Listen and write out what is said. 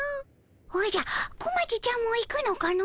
おじゃ小町ちゃんも行くのかの？